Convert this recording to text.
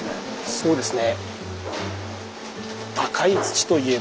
そうですね。